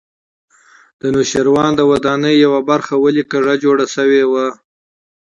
د نوشیروان د ودانۍ یوه برخه ولې کږه جوړه شوې وه.